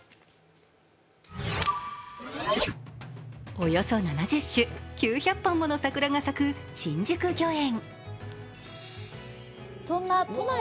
およそ７０種、９００本もの桜が咲く新宿御苑。